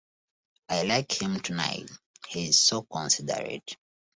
I liked him tonight: he's so considerate.